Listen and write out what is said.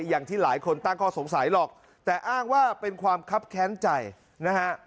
อย่างที่หลายคนตั้งข้อสงสัยหรอกแต่อ้างว่าเป็นความคับแค้นใจนะฮะ